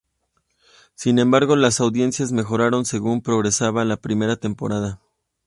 Sin embargo, las audiencias mejoraron según progresaba la primera temporada.